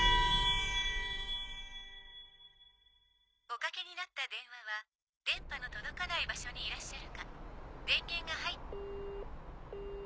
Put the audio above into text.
おかけになった電話は電波の届かない場所にいらっしゃるか電源が入って。